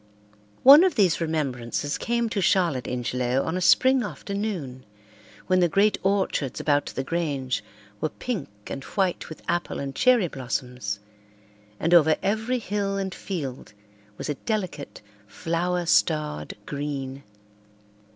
One of these remembrances came to Charlotte Ingelow on a spring afternoon when the great orchards about the Grange were pink and white with apple and cherry blossoms, and over every hill and field was a delicate, flower starred green.